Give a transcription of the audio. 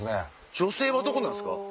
女性はどこなんすか？